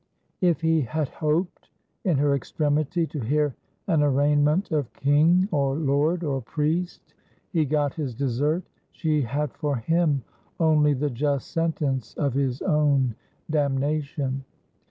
If he had hoped, in her extremity, to hear an arraign ment of king, or lord, or priest, he got his desert; she had for him only the just sentence of his own damnation.